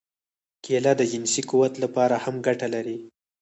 کېله د جنسي قوت لپاره هم ګټه لري.